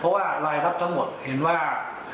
เพราะว่ารายรับทั้งหมดเห็นว่า